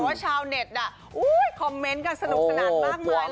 แต่ว่าชาวเน็ตอ่ะอุ้ยคอมเม้นต์กันสนุกสนัดมากมายเลยนะฮะ